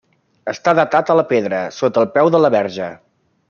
Està datat a la pedra, sota el peu de la verge.